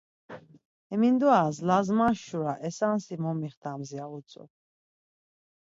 Hemindoras lazmaş şura esansi momixtams ya utzu.